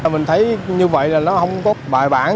mình thấy như vậy là nó không có bài bản